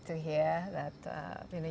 anda sangat berkembang